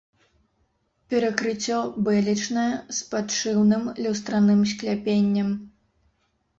Перакрыццё бэлечнае з падшыўным люстраным скляпеннем.